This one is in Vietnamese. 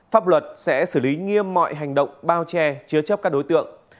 pháp luật sẽ xử lý nghiêm mọi hành động bao che chứa chấp các đối tượng